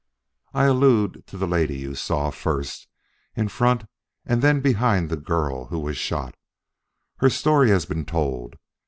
I allude to the lady you saw, first in front of and then behind the girl who was shot. Her story has been told.